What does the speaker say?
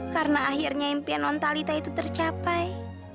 karena akhirnya impian nontalita itu tercapai